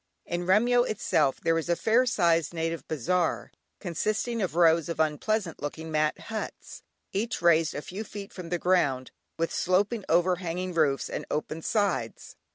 In Remyo itself there is a fair sized native bazaar, consisting of rows of unpleasant looking mat huts, each raised a few feet from the ground, with sloping overhanging roofs, and open sides.